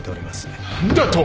何だと！？